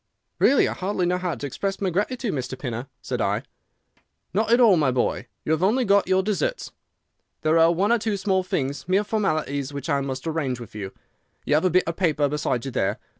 "'Really, I hardly know how to express my gratitude, Mr. Pinner,' said I. "'Not at all, my boy. You have only got your deserts. There are one or two small things—mere formalities—which I must arrange with you. You have a bit of paper beside you there.